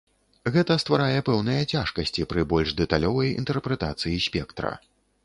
Гэта стварае пэўныя цяжкасці пры больш дэталёвай інтэрпрэтацыі спектра.